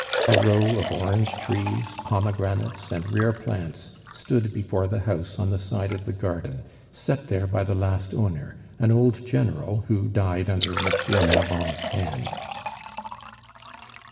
A row of orange trees, pomegranates, and rare plants stood before the house on the side of the garden, set there by the last owner, an old general who died under M. Marron's hands.